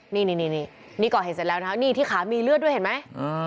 นี่นี่ก่อเหตุเสร็จแล้วนะนี่ที่ขามีเลือดด้วยเห็นไหม